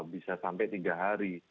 bisa sampai tiga hari